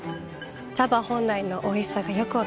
茶葉本来のおいしさがよく分かります。